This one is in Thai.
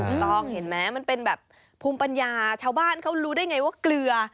ถูกต้องเห็นไหมมันเป็นแบบภูมิปัญญาชาวบ้านเขารู้ได้ไงว่าเกลือ